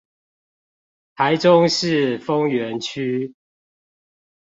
台中市豐原區